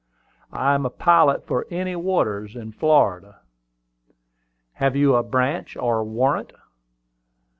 I am a pilot for any waters in Florida." "Have you a branch or a warrant?"